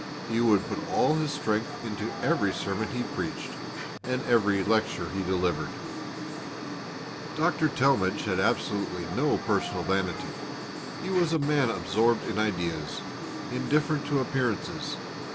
He would put all his strength into every sermon he preached, and every lecture he delivered. Dr. Talmage had absolutely no personal vanity. He was a man absorbed in ideas, indifferent to appearances.